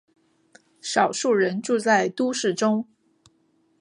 少数人住在都市中。